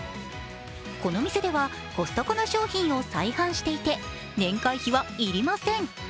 この店では、コストコの商品を再販していて年会費は要りません。